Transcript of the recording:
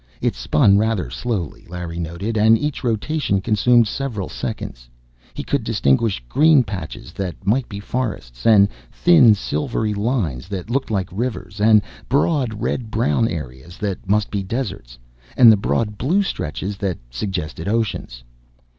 It spun rather slowly, Larry noted, and each rotation consumed several seconds. He could distinguish green patches that might be forests, and thin, silvery lines that looked like rivers, and broad, red brown areas that must be deserts, and the broad blue stretches that suggested oceans.